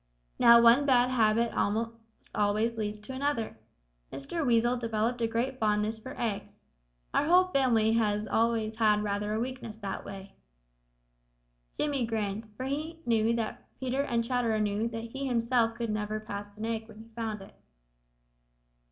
Now one bad habit almost always leads to another. Mr. Weasel developed a great fondness for eggs. Our whole family has always had rather a weakness that way." Jimmy grinned, for he knew that Peter and Chatterer knew that he himself never could pass a fresh egg when he found it.